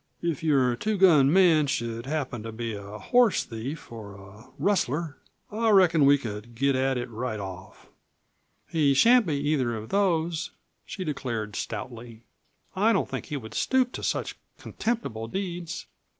If your two gun should happen to be a horse thief, or a rustler, I reckon we could get at it right off." "He shan't be either of those," she declared stoutly. "I don't think he would stoop to such contemptible deeds.